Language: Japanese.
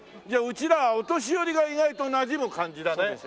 ちらお年寄りが意外となじむ感じだね。